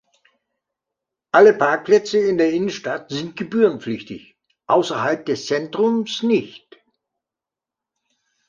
Alle "Parkplätze" in der Innenstadt sind gebührenpflichtig, außerhalb des Zentrums nicht.